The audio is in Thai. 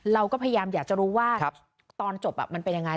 เราก็พยายามอยากจะรู้ว่าตอนจบมันเป็นยังไง